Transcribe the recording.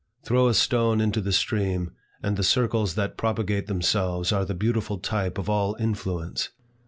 Throw a stone into the stream, and the circles that propagate themselves are the beautiful type of all influence.